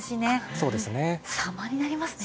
そうですね。